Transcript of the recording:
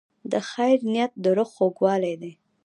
د خیر نیت د روح خوږوالی دی.